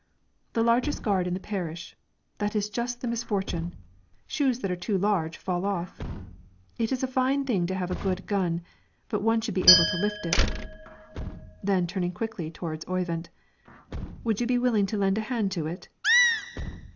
"The largest gard in the parish; that is just the misfortune; shoes that are too large fall off; it is a fine thing to have a good gun, but one should be able to lift it." Then turning quickly towards Oyvind, "Would you be willing to lend a hand to it?"